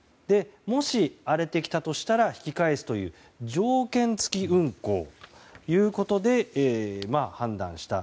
もし荒れてきたとしたら引き返すという条件付き運航ということで判断した。